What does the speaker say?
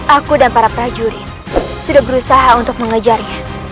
aku dan para prajurit sudah berusaha untuk mengejarnya